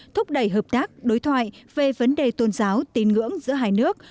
thúc đẩy hợp tác đối thoại về vấn đề tôn giáo tín ngưỡng giữa hai nước